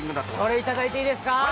それ、いただいていいですか？